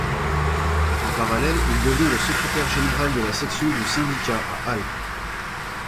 En parallèle il devient secrétaire général de la section du syndicat à Halle.